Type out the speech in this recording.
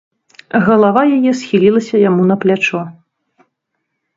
Галава яе схілілася яму на плячо.